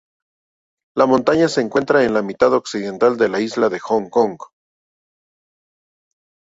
La montaña se encuentra en la mitad occidental de la isla de Hong Kong.